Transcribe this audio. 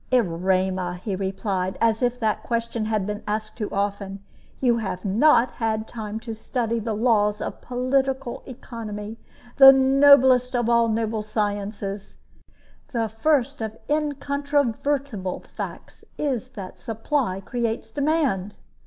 "Erema," he replied, as if that question had been asked too often, "you have not had time to study the laws of political economy the noblest of noble sciences. The first of incontrovertible facts is that supply creates demand.